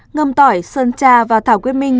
ngâm tỏi sơn cha và thảo quyết minh